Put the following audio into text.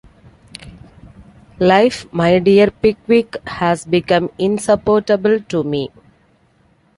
Life, my dear Pickwick, has become insupportable to me.